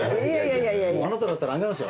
あなただったらあげますよ。